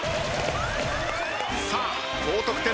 さあ高得点